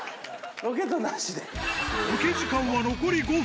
ロケ時間は残り５分。